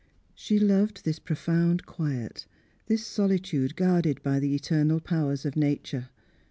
She loved this profound quiet, this solitude guarded by the eternal powers of nature.